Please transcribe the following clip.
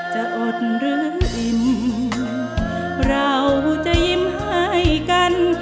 จะอดหรืออิ่มเราจะยิ้มให้กัน